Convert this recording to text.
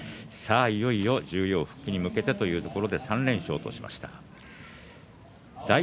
いよいよ十両復帰に向けてというところで３連勝としました。